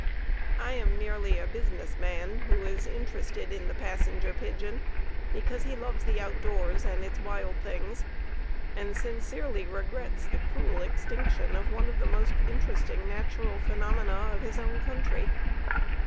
I am merely a business man who is interested in the Passenger Pigeon because he loves the outdoors and its wild things, and sincerely regrets the cruel extinction of one of the most interesting natural phenomena of his own country.